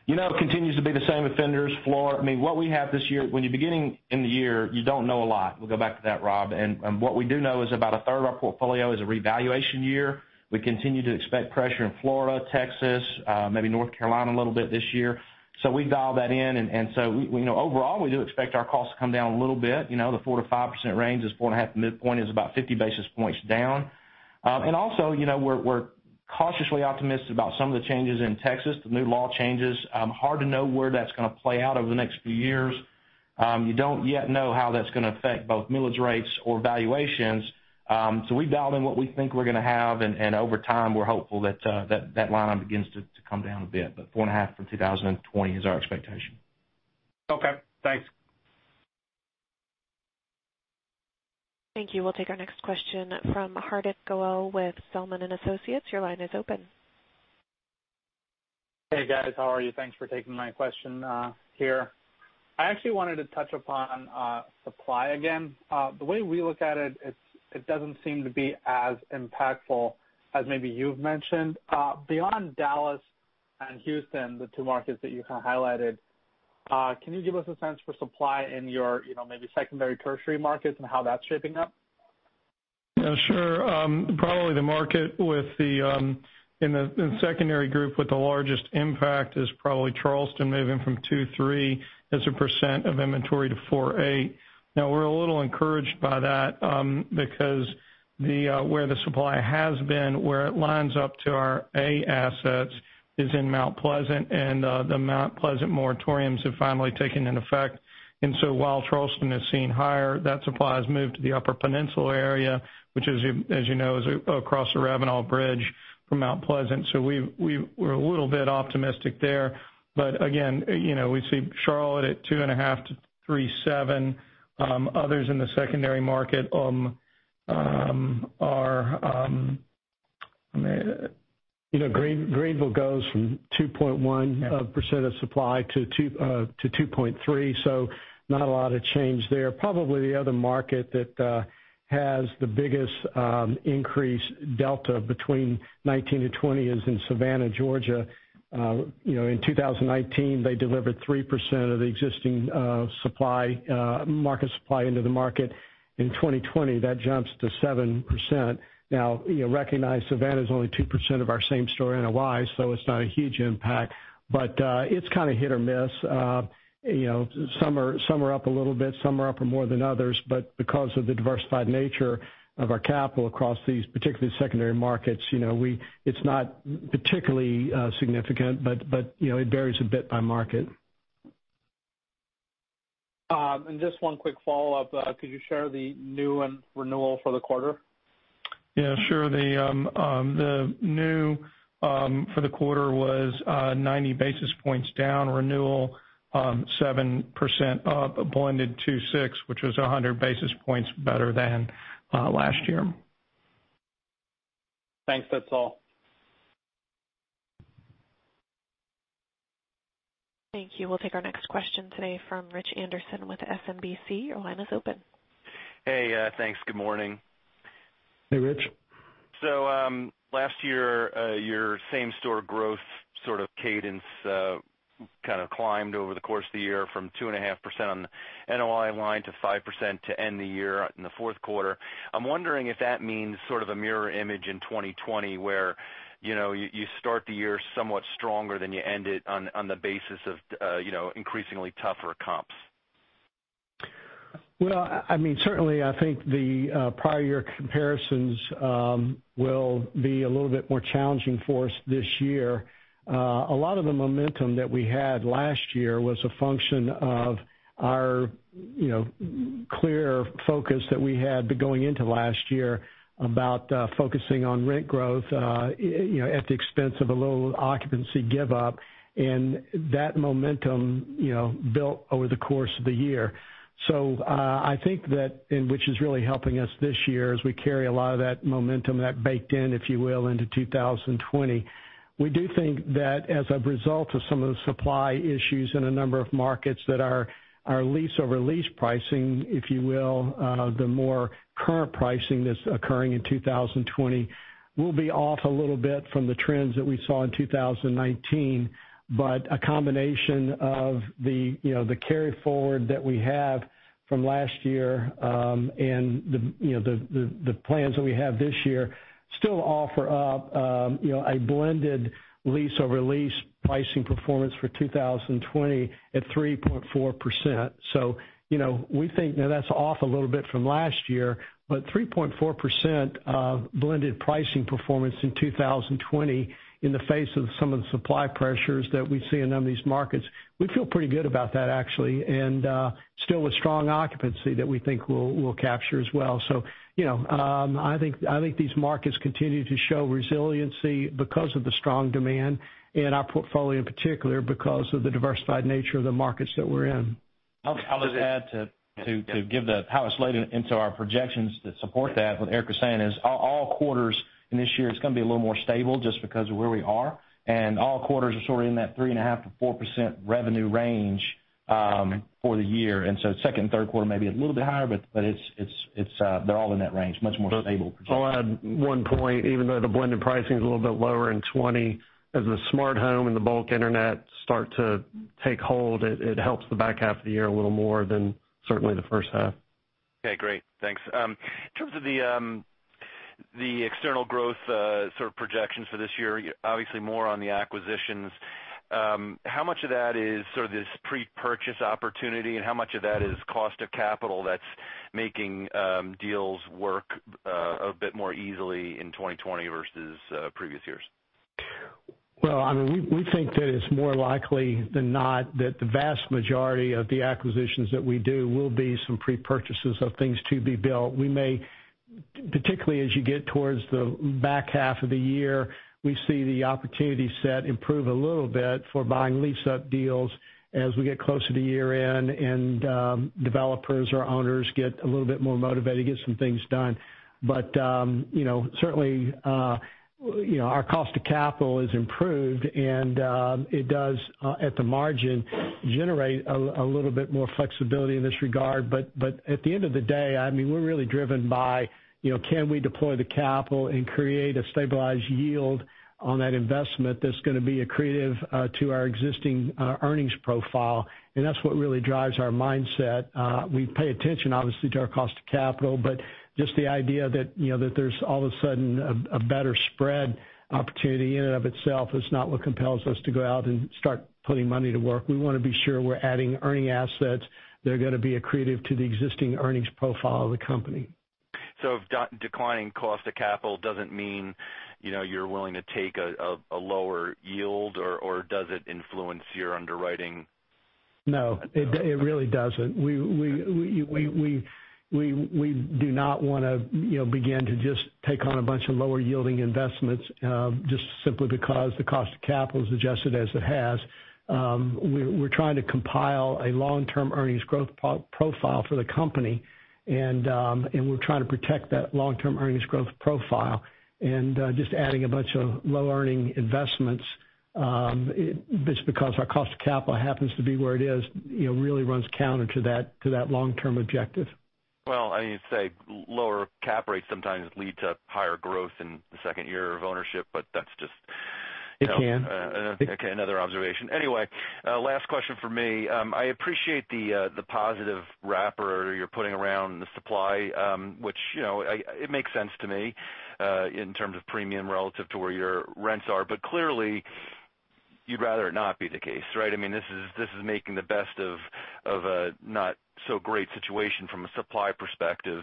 Speaker 6: Continues to be the same offenders. What we have this year, when you're beginning in the year, you don't know a lot. We'll go back to that, Rob. What we do know is about a third of our portfolio is a revaluation year. We continue to expect pressure in Florida, Texas, maybe North Carolina a little bit this year. We dial that in, overall, we do expect our costs to come down a little bit. The 4% to 5% range is 4.5 midpoint is about 50 basis points down. Also, we're cautiously optimistic about some of the changes in Texas, the new law changes. Hard to know where that's going to play out over the next few years. You don't yet know how that's going to affect both millage rates or valuations. We dial in what we think we're going to have, and over time, we're hopeful that that line item begins to come down a bit. 4.5% for 2020 is our expectation.
Speaker 12: Okay, thanks.
Speaker 1: Thank you. We'll take our next question from Hardik Goel with Zelman & Associates. Your line is open.
Speaker 13: Hey, guys. How are you? Thanks for taking my question here. I actually wanted to touch upon supply again. The way we look at it doesn't seem to be as impactful as maybe you've mentioned. Beyond Dallas and Houston, the two markets that you highlighted, can you give us a sense for supply in your maybe secondary, tertiary markets and how that's shaping up?
Speaker 4: Yeah, sure. Probably the market in the secondary group with the largest impact is probably Charleston, moving from two, three as a % of inventory to four, eight. Now, we're a little encouraged by that because where the supply has been, where it lines up to our A assets is in Mount Pleasant, and the Mount Pleasant moratoriums have finally taken into effect. While Charleston is seen higher, that supply has moved to the Upper Peninsula area, which as you know, is across the Ravenel Bridge from Mount Pleasant. We're a little bit optimistic there. Again, we see Charlotte at 2.5%-3.7%. Others in the secondary market are Greenville goes from 2.1% of supply to 2.3%, not a lot of change there. Probably the other market that has the biggest increase delta between 2019 and 2020 is in Savannah, Georgia. In 2019, they delivered 3% of the existing market supply into the market. In 2020, that jumps to 7%. Recognize Savannah is only 2% of our same store NOI, so it's not a huge impact. It's kind of hit or miss. Some are up a little bit, some are up more than others. Because of the diversified nature of our capital across these particularly secondary markets, it's not particularly significant, but it varies a bit by market.
Speaker 13: Just one quick follow-up. Could you share the new and renewal for the quarter?
Speaker 4: Yeah, sure. The new for the quarter was 90 basis points down, renewal 7% up, blended 2.6%, which was 100 basis points better than last year.
Speaker 13: Thanks. That's all.
Speaker 1: Thank you. We'll take our next question today from Rich Anderson with SMBC. Your line is open.
Speaker 14: Hey. Thanks. Good morning.
Speaker 3: Hey, Rich.
Speaker 14: Last year, your same-store growth sort of cadence kind of climbed over the course of the year from 2.5% on the NOI line to 5% to end the year in the fourth quarter. I'm wondering if that means sort of a mirror image in 2020, where you start the year somewhat stronger than you end it on the basis of increasingly tougher comps.
Speaker 3: Well, certainly, I think the prior year comparisons will be a little bit more challenging for us this year. A lot of the momentum that we had last year was a function of our clear focus that we had going into last year about focusing on rent growth at the expense of a little occupancy give-up, and that momentum built over the course of the year. I think that, and which is really helping us this year, is we carry a lot of that momentum, that baked in, if you will, into 2020. We do think that as a result of some of the supply issues in a number of markets that our lease-over-lease pricing, if you will, the more current pricing that's occurring in 2020, will be off a little bit from the trends that we saw in 2019. A combination of the carry-forward that we have from last year, and the plans that we have this year still offer up a blended lease-over-lease pricing performance for 2020 at 3.4%. We think now that's off a little bit from last year, but 3.4% of blended pricing performance in 2020 in the face of some of the supply pressures that we see in some of these markets, we feel pretty good about that, actually, and still with strong occupancy that we think we'll capture as well. I think these markets continue to show resiliency because of the strong demand and our portfolio in particular because of the diversified nature of the markets that we're in.
Speaker 6: I'll just add to give how it's laid into our projections that support that, what Eric was saying, is all quarters in this year is going to be a little more stable just because of where we are. All quarters are sort of in that 3.5%-4% revenue range for the year. Second and third quarter may be a little bit higher, but they're all in that range, much more stable.
Speaker 3: I'll add one point. Even though the blended pricing's a little bit lower in 2020, as the smart home and the bulk internet start to take hold, it helps the back half of the year a little more than certainly the first half.
Speaker 14: Okay, great. Thanks. In terms of the external growth sort of projections for this year, obviously more on the acquisitions. How much of that is sort of this pre-purchase opportunity, and how much of that is cost of capital that's making deals work a bit more easily in 2020 versus previous years?
Speaker 3: Well, we think that it's more likely than not that the vast majority of the acquisitions that we do will be some pre-purchases of things to be built. We may, particularly as you get towards the back half of the year, we see the opportunity set improve a little bit for buying lease-up deals as we get closer to year-end and developers or owners get a little bit more motivated to get some things done. Certainly, our cost of capital has improved, and it does, at the margin, generate a little bit more flexibility in this regard. At the end of the day, we're really driven by can we deploy the capital and create a stabilized yield on that investment that's going to be accretive to our existing earnings profile? That's what really drives our mindset. We pay attention, obviously, to our cost of capital, but just the idea that there's all of a sudden a better spread opportunity in and of itself is not what compels us to go out and start putting money to work. We want to be sure we're adding earning assets that are going to be accretive to the existing earnings profile of the company.
Speaker 14: If declining cost of capital doesn't mean you're willing to take a lower yield or does it influence your underwriting?
Speaker 3: No, it really doesn't. We do not want to begin to just take on a bunch of lower-yielding investments, just simply because the cost of capital has adjusted as it has. We're trying to compile a long-term earnings growth profile for the company, and we're trying to protect that long-term earnings growth profile. Just adding a bunch of low-earning investments, just because our cost of capital happens to be where it is, really runs counter to that long-term objective.
Speaker 14: Well, I need to say, lower cap rates sometimes lead to higher growth in the second year of ownership, but that's just-
Speaker 3: It can
Speaker 14: Last question from me. I appreciate the positive wrap you're putting around the supply, which it makes sense to me, in terms of premium relative to where your rents are. Clearly, you'd rather it not be the case, right? This is making the best of a not so great situation from a supply perspective.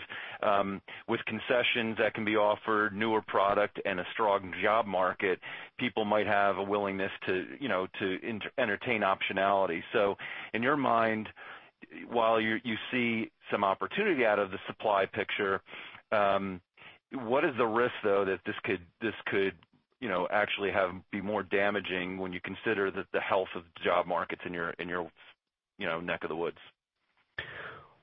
Speaker 14: With concessions that can be offered, newer product, and a strong job market, people might have a willingness to entertain optionality. In your mind, while you see some opportunity out of the supply picture, what is the risk, though, that this could actually be more damaging when you consider the health of job markets in your neck of the woods?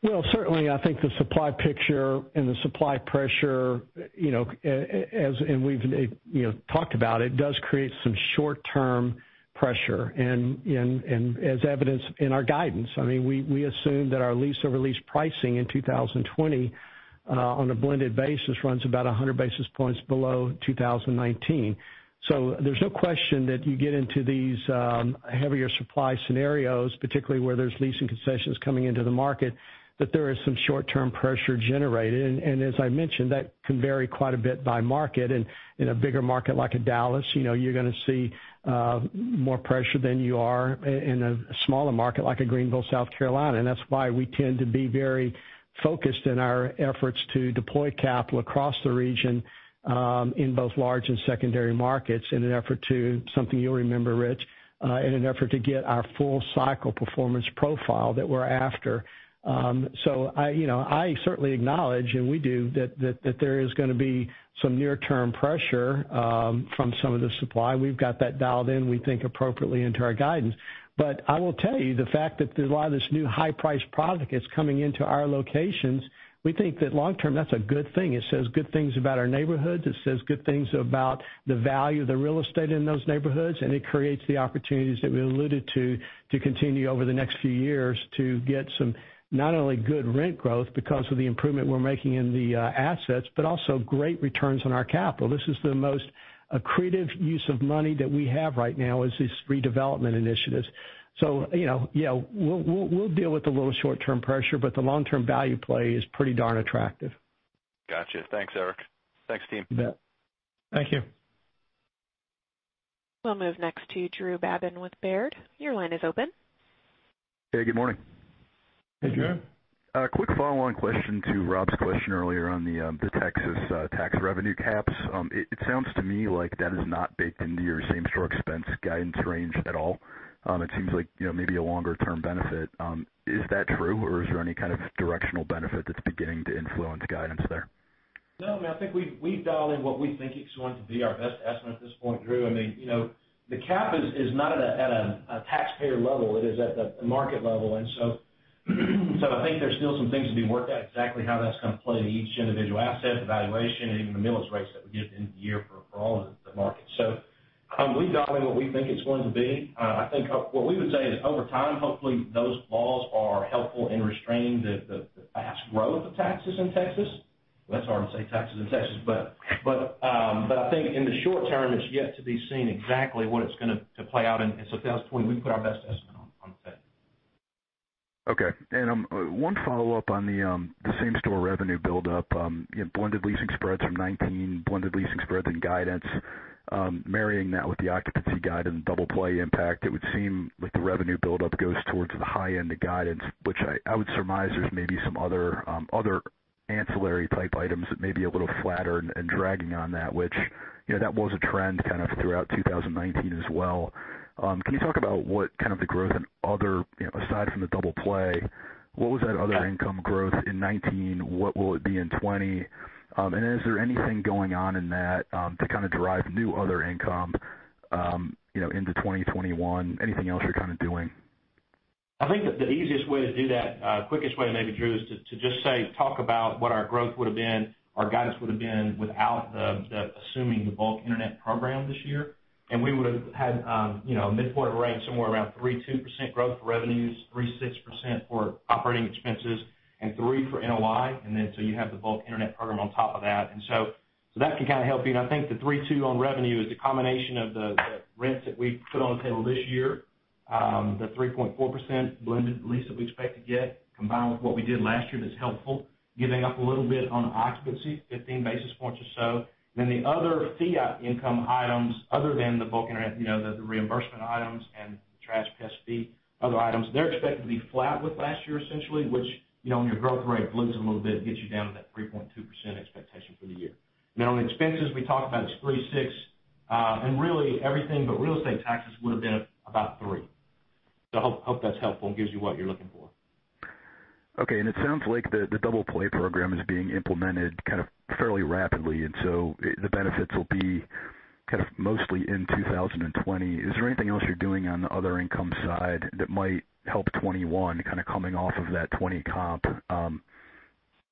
Speaker 3: Well, certainly, I think the supply picture and the supply pressure, and we've talked about it, does create some short-term pressure. As evidenced in our guidance, we assume that our lease-over-lease pricing in 2020, on a blended basis, runs about 100 basis points below 2019. There's no question that you get into these heavier supply scenarios, particularly where there's leasing concessions coming into the market, that there is some short-term pressure generated. As I mentioned, that can vary quite a bit by market. In a bigger market like a Dallas, you're going to see more pressure than you are in a smaller market like a Greenville, South Carolina. That's why we tend to be very focused in our efforts to deploy capital across the region, in both large and secondary markets, in an effort to, something you'll remember, Rich, in an effort to get our full cycle performance profile that we're after. I certainly acknowledge, and we do, that there is going to be some near-term pressure from some of the supply. We've got that dialed in, we think, appropriately into our guidance. I will tell you, the fact that there's a lot of this new high-priced product that's coming into our locations, we think that long-term, that's a good thing. It says good things about our neighborhoods. It says good things about the value of the real estate in those neighborhoods, and it creates the opportunities that we alluded to continue over the next few years to get some, not only good rent growth because of the improvement we're making in the assets, but also great returns on our capital. This is the most accretive use of money that we have right now, is this redevelopment initiatives. We'll deal with a little short-term pressure, but the long-term value play is pretty darn attractive.
Speaker 14: Got you. Thanks, Eric. Thanks, team.
Speaker 3: You bet.
Speaker 6: Thank you.
Speaker 1: We'll move next to Drew Babin with Baird. Your line is open.
Speaker 15: Hey, good morning.
Speaker 6: Hey, Drew.
Speaker 15: A quick follow-on question to Rob's question earlier on the Texas tax revenue caps. It sounds to me like that is not baked into your same-store expense guidance range at all. It seems like maybe a longer-term benefit. Is that true, or is there any kind of directional benefit that's beginning to influence guidance there?
Speaker 6: I think we've dialed in what we think is going to be our best estimate at this point, Drew. The cap is not at a taxpayer level. It is at the market level. I think there's still some things to be worked out, exactly how that's going to play to each individual asset valuation, and even the millage rates that we get at the end of the year for all of the markets. We've dialed in what we think it's going to be. I think what we would say is over time, hopefully those laws are helpful in restraining the vast growth of taxes in Texas. That's hard to say, taxes in Texas. I think in the short term, it's yet to be seen exactly what it's going to play out. At this point, we've put our best estimate on the table.
Speaker 15: Okay. One follow-up on the same-store revenue buildup. Blended leasing spreads from 2019, blended leasing spreads and guidance, marrying that with the occupancy guidance, DoublePlay impact, it would seem like the revenue buildup goes towards the high end of guidance, which I would surmise there's maybe some other ancillary type items that may be a little flatter and dragging on that, which, that was a trend kind of throughout 2019 as well. Can you talk about what kind of the growth and other, aside from the DoublePlay, what was that other income growth in 2019? What will it be in 2020? Is there anything going on in that to kind of drive new other income into 2021? Anything else you're kind of doing?
Speaker 6: I think that the easiest way to do that, quickest way maybe, Drew, is to just, say, talk about what our growth would've been, our guidance would've been, without assuming the bulk internet program this year. We would've had a midpoint of rate somewhere around 3.2% growth for revenues, 3.6% for operating expenses, and 3% for NOI. You have the bulk internet program on top of that. That can kind of help you. I think the 3.2 on revenue is the combination of the rents that we put on the table this year, the 3.4% blended lease that we expect to get, combined with what we did last year, that's helpful. Giving up a little bit on occupancy, 15 basis points or so. The other fee income items, other than the bulk internet, the reimbursement items and trash pest fee, other items, they're expected to be flat with last year, essentially, which when your growth rate blooms a little bit, gets you down to that 3.2% expectation for the year. On expenses, we talked about it's 3.6%. Really, everything but real estate taxes would've been about 3%. I hope that's helpful and gives you what you're looking for.
Speaker 15: Okay. It sounds like the DoublePlay program is being implemented kind of fairly rapidly, the benefits will be kind of mostly in 2020. Is there anything else you're doing on the other income side that might help 2021 kind of coming off of that 2020 comp?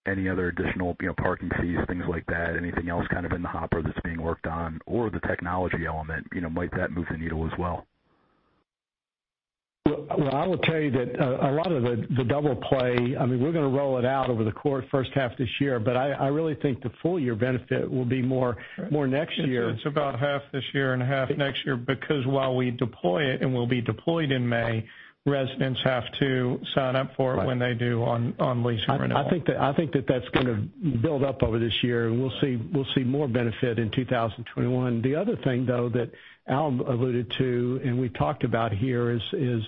Speaker 15: Any other additional parking fees, things like that? Anything else kind of in the hopper that's being worked on, or the technology element, might that move the needle as well?
Speaker 3: Well, I will tell you that a lot of the DoublePlay, we're going to roll it out over the course of first half this year, but I really think the full-year benefit will be more next year.
Speaker 6: It's about half this year and half next year, because while we deploy it, and we'll be deployed in May, residents have to sign up for it when they do on lease and renewal.
Speaker 3: I think that that's going to build up over this year, and we'll see more benefit in 2021. The other thing, though, that Al alluded to, and we talked about here, is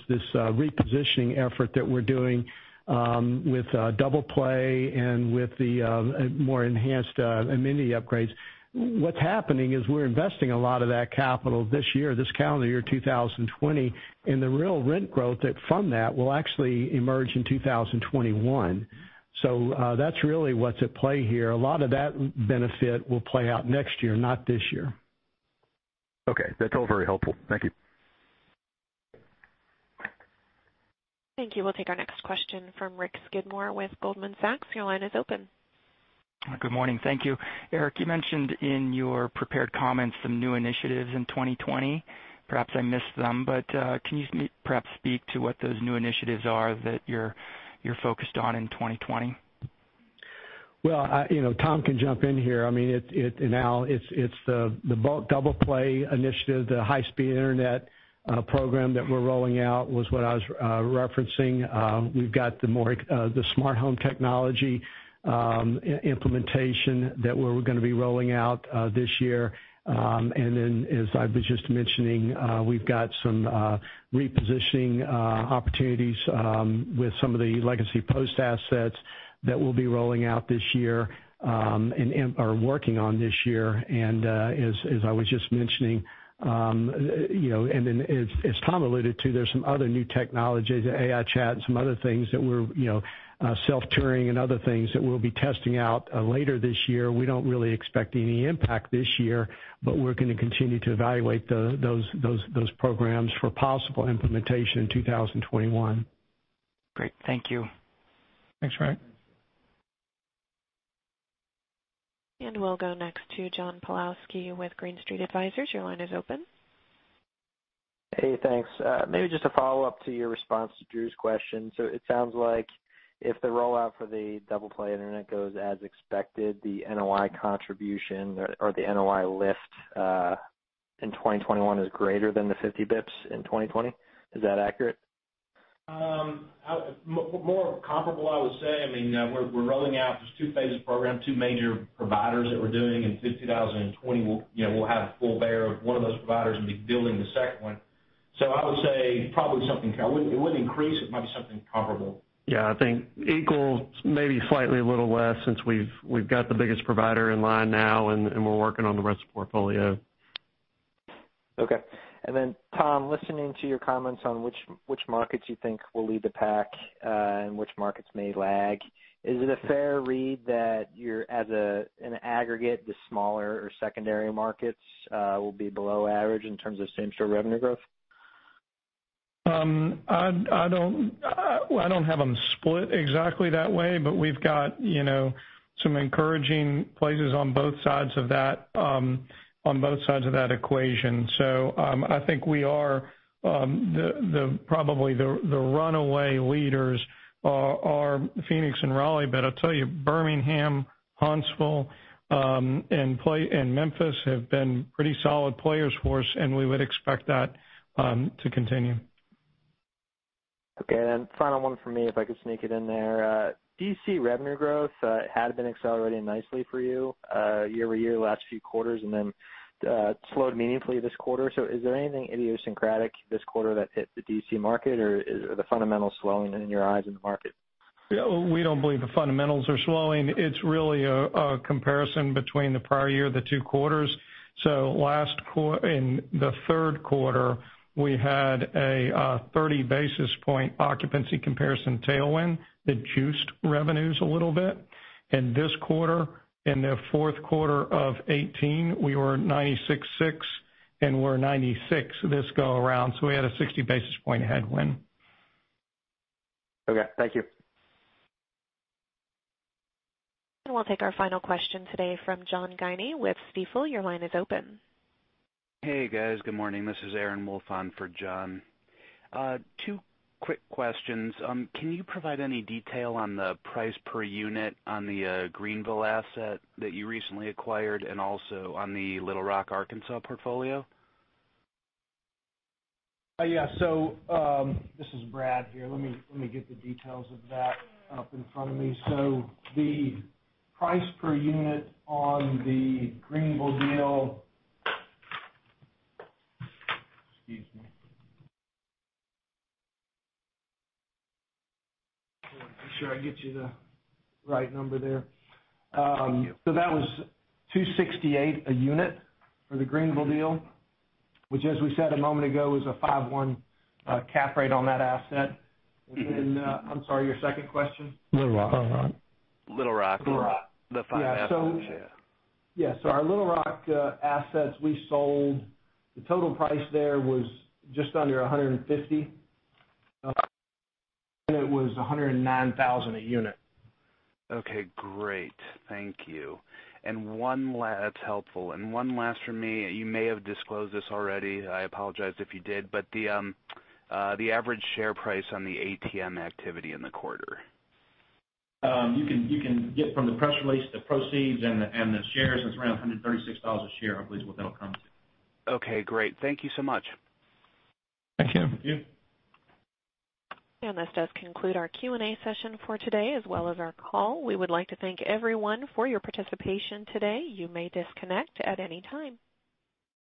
Speaker 3: this repositioning effort that we're doing with DoublePlay and with the more enhanced amenity upgrades. What's happening is we're investing a lot of that capital this year, this calendar year 2020, and the real rent growth from that will actually emerge in 2021. That's really what's at play here. A lot of that benefit will play out next year, not this year.
Speaker 15: Okay. That's all very helpful. Thank you.
Speaker 1: Thank you. We will take our next question from Rick Skidmore with Goldman Sachs. Your line is open.
Speaker 16: Good morning. Thank you. Eric, you mentioned in your prepared comments some new initiatives in 2020. Perhaps I missed them, but can you perhaps speak to what those new initiatives are that you're focused on in 2020?
Speaker 3: Well, Tom can jump in here. It's the DoublePlay initiative, the high-speed internet program that we're rolling out was what I was referencing. We've got the smart home technology implementation that we're going to be rolling out this year. As I was just mentioning, we've got some repositioning opportunities with some of the legacy Post assets that we'll be rolling out this year and are working on this year. As I was just mentioning, and as Tom alluded to, there's some other new technologies, AI chat, and some other things, self-touring and other things that we'll be testing out later this year. We don't really expect any impact this year, but we're going to continue to evaluate those programs for possible implementation in 2021.
Speaker 16: Great. Thank you.
Speaker 3: Thanks, Rick.
Speaker 1: We'll go next to John Pawlowski with Green Street Advisors. Your line is open.
Speaker 17: Hey, thanks. Maybe just a follow-up to your response to Drew's question. It sounds like if the rollout for the DoublePlay internet goes as expected, the NOI contribution or the NOI lift in 2021 is greater than the 50 basis points in 2020. Is that accurate?
Speaker 4: More comparable, I would say. We're rolling out this two-phase program, two major providers that we're doing in 2020. We'll have the full bore of one of those providers and be building the second one. I would say probably something It wouldn't increase. It might be something comparable.
Speaker 3: Yeah, I think equal, maybe slightly a little less since we've got the biggest provider in line now, and we're working on the rest of the portfolio.
Speaker 17: Okay. Tom, listening to your comments on which markets you think will lead the pack and which markets may lag, is it a fair read that as an aggregate, the smaller or secondary markets will be below average in terms of same-store revenue growth?
Speaker 4: I don't have them split exactly that way, but we've got some encouraging places on both sides of that equation. I think probably the runaway leaders are Phoenix and Raleigh. I'll tell you, Birmingham, Huntsville, and Memphis have been pretty solid players for us, and we would expect that to continue.
Speaker 17: Okay. Final one from me, if I could sneak it in there. D.C. revenue growth had been accelerating nicely for you year-over-year last few quarters and then slowed meaningfully this quarter. Is there anything idiosyncratic this quarter that hit the D.C. market, or are the fundamentals slowing in your eyes in the market?
Speaker 4: We don't believe the fundamentals are slowing. It's really a comparison between the prior year, the two quarters. In the third quarter, we had a 30 basis point occupancy comparison tailwind that juiced revenues a little bit. In this quarter, in the fourth quarter of 2018, we were at 96.6, and we're 96 this go around. We had a 60 basis point headwind.
Speaker 17: Okay. Thank you.
Speaker 1: We'll take our final question today from John Guinee with Stifel. Your line is open.
Speaker 18: Hey, guys. Good morning. This is Aaron Wolf on for John. Two quick questions. Can you provide any detail on the price per unit on the Greenville asset that you recently acquired and also on the Little Rock, Arkansas portfolio?
Speaker 5: Yeah. This is Brad here. Let me get the details of that up in front of me. The price per unit on the Greenville deal Excuse me. I want to make sure I get you the right number there.
Speaker 18: Thank you.
Speaker 5: That was $268 a unit for the Greenville deal, which as we said a moment ago, was a 5.1% cap rate on that asset. I'm sorry, your second question?
Speaker 18: Little Rock. The 5.1 asset. Yeah.
Speaker 5: Yeah. Our Little Rock assets we sold, the total price there was just under $150. It was $109,000 a unit.
Speaker 18: Okay, great. Thank you. That's helpful. One last from me. You may have disclosed this already. I apologize if you did, but the average share price on the ATM activity in the quarter.
Speaker 5: You can get from the press release, the proceeds and the shares. It's around $136 a share, I believe is what that'll come to.
Speaker 18: Okay, great. Thank you so much.
Speaker 3: Thank you.
Speaker 5: Thank you.
Speaker 1: This does conclude our Q&A session for today as well as our call. We would like to thank everyone for your participation today. You may disconnect at any time.